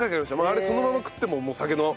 あれそのまま食っても酒の。